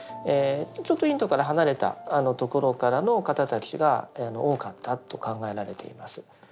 ちょっとインドから離れた所からの方たちが多かったと考えられています。